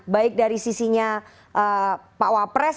baik dari sisinya pak wapres